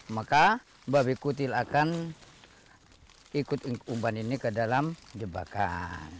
maka babi kutil akan ikut uban ini ke dalam jebakan